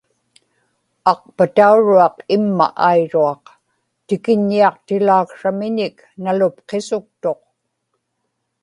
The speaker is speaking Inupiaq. aqpatauruaq imma airuaq; tikiññiaqtilaaksramiñik nalupqisuktuq